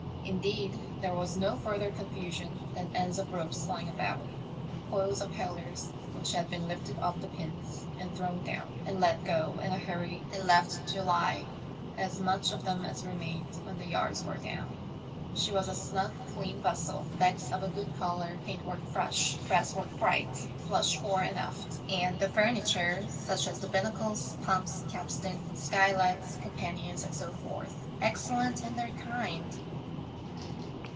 Indeed, there was no further confusion than ends of ropes lying about, coils of halliards which had been lifted off the pins and thrown down, and let go in a hurry and left to lie, as much of them as remained when the yards were down. She was a snug, clean vessel, decks of a good colour, paintwork fresh, brasswork bright, flush fore and aft, and the furniture — such as the binnacles, pumps, capstan, skylights, companions, and so forth — excellent in their kind.